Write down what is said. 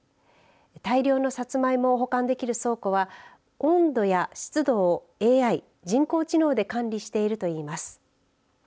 大量のさつまいもを保管できる倉庫は温度や湿度をＡＩ、人工知能で管理しているといいます。